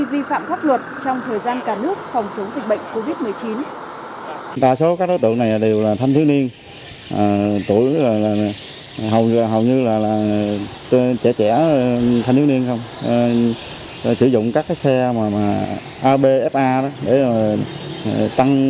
vi phạm các luật trong thời gian cắn